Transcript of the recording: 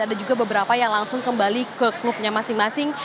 ada juga beberapa yang langsung kembali ke klubnya masing masing